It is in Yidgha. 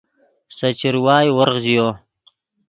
سے چروائے ورغ ژیو